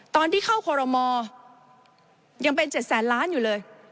ตอนที่เข้าคอรมอยังเป็น๗แสนล้านอยู่เลย